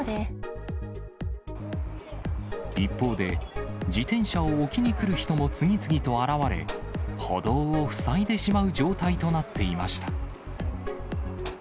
一方で、自転車を置きに来る人も次々と現れ、歩道を塞いでしまう状態となっていました。